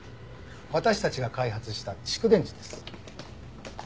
私たちが開発した蓄電池です。